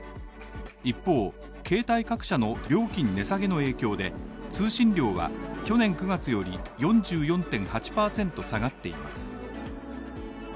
一方、携帯各社の料金値下げの影響で通信量は去年９月より４４．８％下がっています。